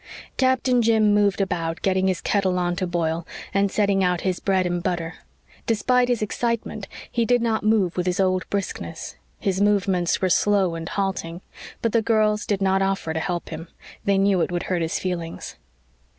Captain Jim moved about getting his kettle on to boil, and setting out his bread and butter. Despite his excitement he did not move with his old briskness. His movements were slow and halting. But the girls did not offer to help him. They knew it would hurt his feelings.